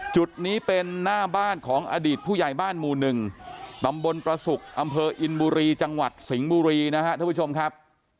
จุดนี้เป็นหน้าบ้านของอดีตผู้ใหญ่บ้านหมู่๑ตำบลประสุกอำเภออินบุรีจังหวัดสิงห์บุรีนะครับท่านผู้ชมครับ